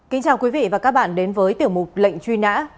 kính chào quý vị và các bạn đến với tiểu mục lệnh truy nã